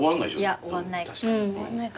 いや終わんない。